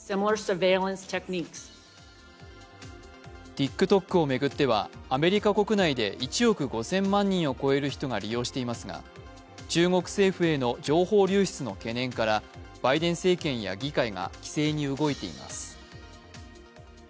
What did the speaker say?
ＴｉｋＴｏｋを巡ってはアメリカ国内で１億５０００万人を超える人が利用していますが中国政府への情報流出の懸念からバイデン政権や議会が規制に動いています。